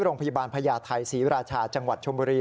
ต้องใส่ผ้าใหม่เสื้อใหม่ด้วย